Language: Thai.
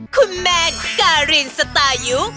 คุณแม่งการินสตายุ